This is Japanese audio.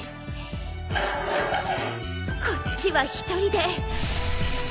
こっちは一人で大丈夫！